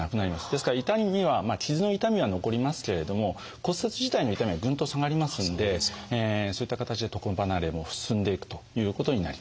ですから痛みは傷の痛みは残りますけれども骨折自体の痛みはぐんと下がりますんでそういった形で床離れも進んでいくということになります。